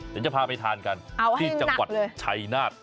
เดี๋ยวจะพาไปทานกันที่จังหวัดชัยนาธ